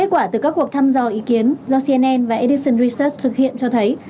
kết quả từ các cuộc thăm dò ý kiến do cnn và edison research thực hiện cho thấy